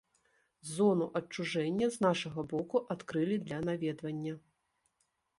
Зону адчужэння з нашага боку адкрылі для наведвання.